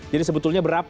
jadi sebetulnya berapa